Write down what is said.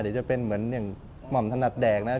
เดี๋ยวจะเป็นเหมือนอย่างหม่อมถนัดแดกนะ